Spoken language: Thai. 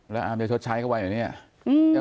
แล้วอาร์มจะชดใช้เข้าไปเหรอเนี่ย